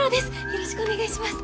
よろしくお願いします。